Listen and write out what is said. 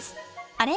あれ？